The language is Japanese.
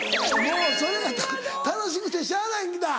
それが楽しくてしゃあないんだ。